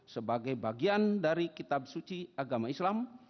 sebagai bagian dari kitab suci agama islam